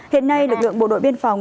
hiện nay lực lượng bộ đội biên phòng